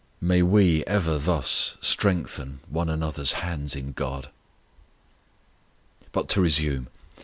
May we ever thus strengthen one another's hands in God! But to resume.